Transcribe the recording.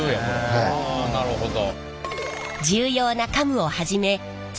はあなるほど。